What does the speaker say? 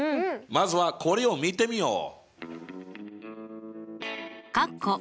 まずはこれを見てみよう。